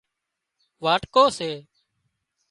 واٽڪو سي